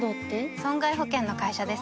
損害保険の会社です